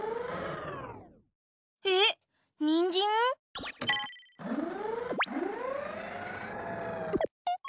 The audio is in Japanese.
えっにんじん？ピポ。